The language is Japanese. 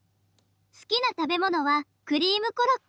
好きな食べ物はクリームコロッケです。